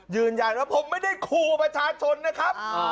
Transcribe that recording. ยืนยันว่าผมไม่ได้ครูประชาชนนะครับ